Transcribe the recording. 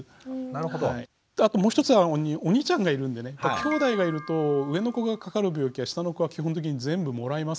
あともう一つはお兄ちゃんがいるんでねきょうだいがいると上の子がかかる病気は下の子は基本的に全部もらいますから。